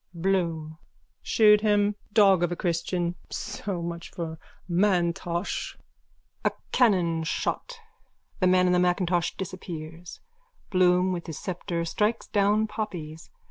BLOOM: Shoot him! Dog of a christian! So much for M'Intosh! _(A cannonshot. The man in the macintosh disappears. Bloom with his sceptre strikes down poppies.